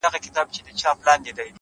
اخلاق د انسان تلپاتې شهرت دی!.